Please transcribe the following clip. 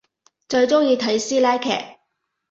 最中意睇師奶劇